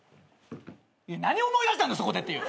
いや何を思い出したんだそこでっていう。